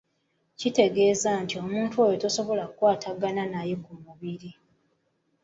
Kitegeeza nti omuntu oyo tosobola kukwatagana naye ku mubiri.